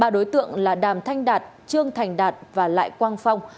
ba đối tượng là đàm thanh đạt trương thành đạt và lại quang phong